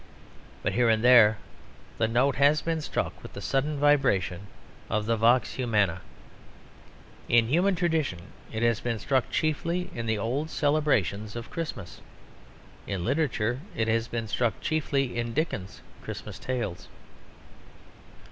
But here and there the note has been struck with the sudden vibration of the vox humana. In human tradition it has been struck chiefly in the old celebrations of Christmas. In literature it has been struck chiefly in Dickens's Christmas tales.